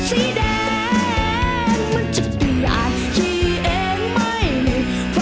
จะกินอย่างสีแดง